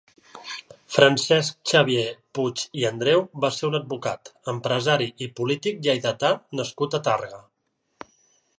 Francesc Xavier Puig i Andreu va ser un advocat, empresari i polític lleidatà nascut a Tàrrega.